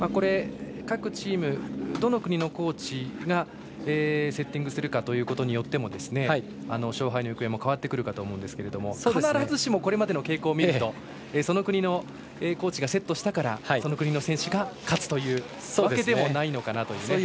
各チーム、どの国のコーチがセッティングするかということによっても勝敗の行方も変わってくるかと思うんですけれども必ずしもこれまでの傾向を見るとその国のコーチがセットしたからその国の選手が勝つというわけでもないのかなという。